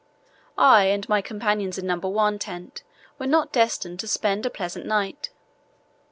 I and my companions in No. 1 tent were not destined to spend a pleasant night.